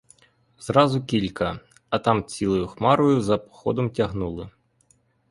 Зразу кілька, а там цілою хмарою за походом тягнули.